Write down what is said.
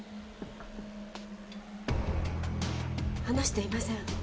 話していません。